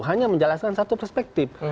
hanya menjelaskan satu perspektif